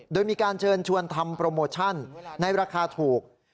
โดยมีการเชิญชวนทำโปรโมชั่นในราคาถูก